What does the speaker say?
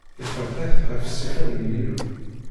ixelq-it ɣef ṣṣifa n Yillu.